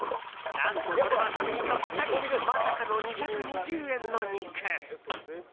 何とそれは残金ピッタリまさかの２２０円の肉。